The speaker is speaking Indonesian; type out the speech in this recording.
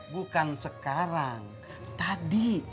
bukan sekarang tadi